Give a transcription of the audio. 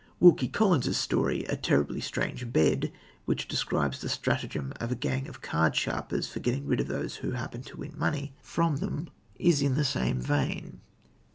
Wilkie Collins' story, A Terribly Strange Bed, which describes the stratagem of a gang of cardsharpers for getting rid of those who happen to win money from them, is in the same vein.